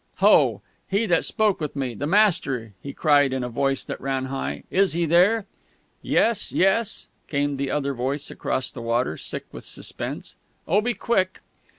"Ho he that spoke with me the master," he cried in a voice that ran high, "is he there?" "Yes, yes!" came the other voice across the water, sick with suspense. "_Oh, be quick!